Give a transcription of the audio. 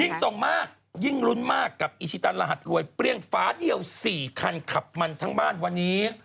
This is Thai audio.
ส่งมากยิ่งลุ้นมากกับอิชิตันรหัสรวยเปรี้ยงฟ้าเดียว๔คันขับมันทั้งบ้านวันนี้